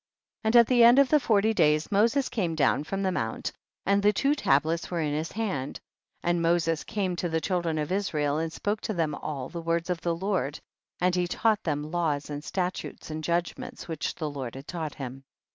28. And at the end of the forty days, Moses came down from the mount and the two tablets were in his hand. 29. And Moses came to the child THE BOOK OF JASHER. 247 ren of Israel and spoke to ihem all the words of the Lord, and he taught them laws, statutes and judgnaents which tiie Lord had taught him.